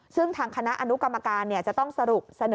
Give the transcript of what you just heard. ซึ่งทางคณะอนุกรรมการจะต้องสรุปเสนอ